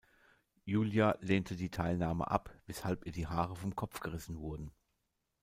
Julia lehnte die Teilnahme ab, weshalb ihr die Haare vom Kopf gerissen wurden.